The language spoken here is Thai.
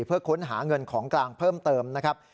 เพื่อค้นหาเงินของกลางเพิ่มเติมนะครับ